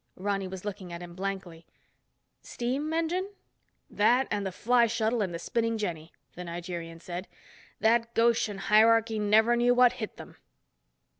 Ronny was looking at him blankly. "Steam engine?" "That and the fly shuttle and the spinning jenny," the Nigerian said. "That Goshen hierarchy never knew what hit them."